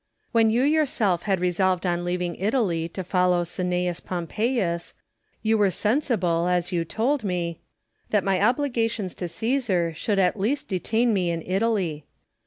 When you yourself had resolved on leaving Italy to follow Cneius Pompeius, you were sensible, as you told me, that my obligations to Caesar should at least detain me in Italy.